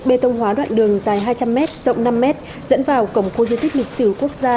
bê tông hóa đoạn đường dài hai trăm linh m rộng năm m dẫn vào cổng khu di tích lịch sử quốc gia